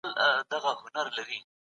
د انسان فکر د هغه د شخصيت هنداره ده.